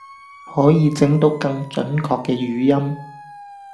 可以整到更準確嘅語音